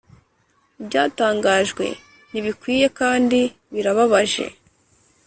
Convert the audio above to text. ibyatangajwe ntibikwiye kandi birababaje,